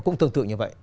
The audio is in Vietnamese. nó cũng tương tự như vậy